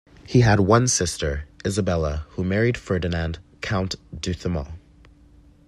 He had one sister, Isabella, who married Ferdinand, count d’Outhement.